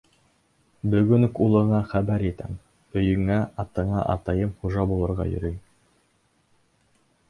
Бөгөн үк улыңа хәбәр итәм: «Өйөңә, атыңа атайым хужа булырға йөрөй!»